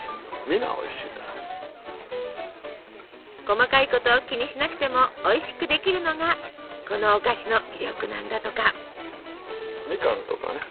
細かいことを気にしなくてもおいしくできるのがこのお菓子の魅力なんだとか。